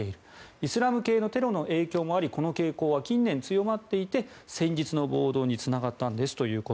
イスラム系のテロの影響もありこの傾向は近年強まっていて先日の暴動につながったと。